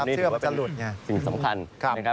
เป็นสิ่งสำคัญ